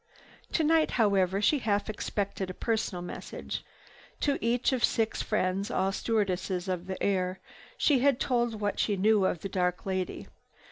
Tonight, however, she half expected a personal message. To each of six friends, all stewardesses of the air, she had told what she knew of the dark lady.